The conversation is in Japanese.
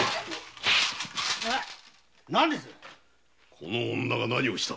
この女が何をした？